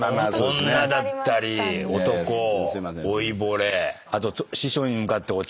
「女」だったり「男」「老いぼれ」あと。